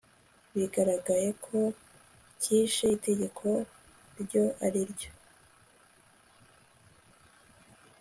bigaragaye ko cyishe itegeko iryo ari ryo